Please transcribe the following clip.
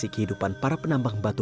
membuatnya mempunyai matahari